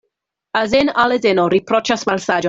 Azen' al azeno riproĉas malsaĝon.